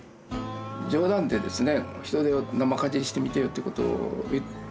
冗談でですね